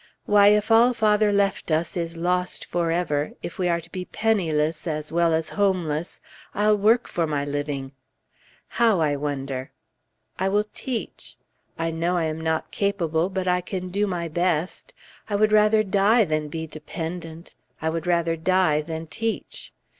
Why, if all father left us is lost forever, if we are to be penniless as well as homeless, I'll work for my living. How, I wonder? I will teach. I know I am not capable, but I can do my best. I would rather die than be dependent; I would rather die than teach.